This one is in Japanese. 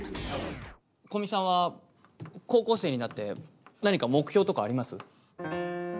古見さんは高校生になって何か目標とかあります？